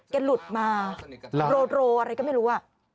หลุดมาโรอะไรก็ไม่รู้